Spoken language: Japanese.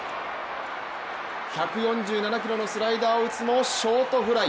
１４７キロのスライダーを打つもショートフライ。